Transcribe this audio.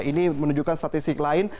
ini menunjukkan statistik lain